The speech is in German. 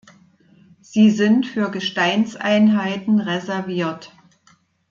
Sie sind für Gesteinseinheiten reserviert.